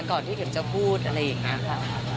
ก่อนที่เข็มจะพูดอะไรอย่างนี้ค่ะ